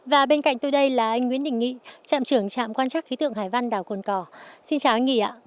và bên cạnh tôi đây là anh nguyễn đình nghị trạm trưởng trạm quan trắc khí tượng hải văn đảo cồn cỏ xin chào anh nghị ạ